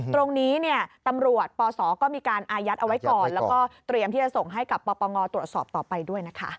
ตรงนี้เนี่ยตำรวจปศก็มีการอายัดเอาไว้ก่อนแล้วก็เตรียมที่จะส่งให้กับปปงตรวจสอบต่อไปด้วยนะคะ